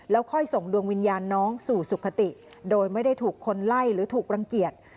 ค่อยส่งดวงวิญญาณน้องสู่สุขติโดยไม่ได้ถูกคนไล่หรือถูกรังเกียจ